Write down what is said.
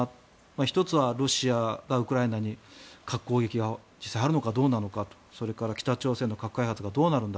１つはロシアがウクライナに核攻撃が実際あるのかどうなのかそれから北朝鮮の核開発がどうなるんだ。